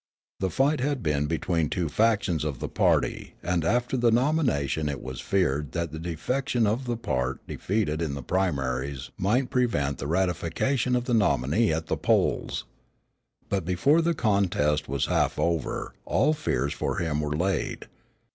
The fight had been between two factions of the party and after the nomination it was feared that the defection of the part defeated in the primaries might prevent the ratification of the nominee at the polls. But before the contest was half over all fears for him were laid.